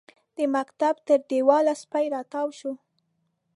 د مکتب تر دېواله سپی راتاو شو.